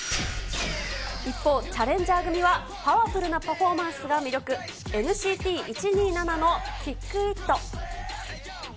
一方、チャレンジャー組はパワフルなパフォーマンスが魅力、ＮＣＴ１２７のキックイット。